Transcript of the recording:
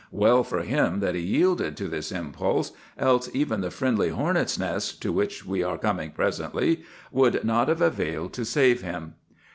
Well for him that he yielded to this impulse, else even the friendly hornets' nest, to which we are coming presently, would not have availed to save him.